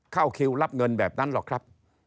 เข้าคิวรับเงินแบบนั้นหรอกครับ